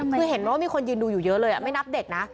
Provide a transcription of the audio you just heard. คือเห็นว่ามีคนยืนดูอยู่เยอะเลยไม่นับเด็กนะ